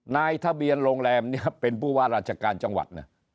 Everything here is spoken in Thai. นายทะเบียนโรงแรมเนี่ยเป็นผู้ว่าราชการจังหวัดนะ